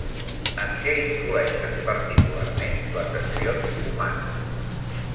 En què influeixen, particularment, les accions humanes?